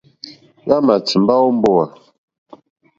Hwámà tìmbá ó mbówà.